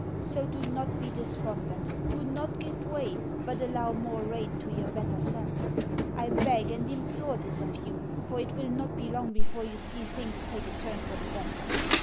So do not be despondent, do not give way, but allow more rein to your better sense. I beg and implore this of you, for it will not be long before you see things take a turn for the better.